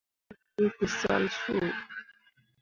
Mo gi lii tǝsal soo.